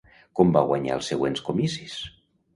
Com va guanyar als següents comicis?